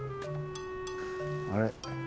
あれ？